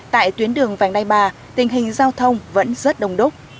tại tuyến đường vành đai ba tình hình giao thông vẫn rất đông đúc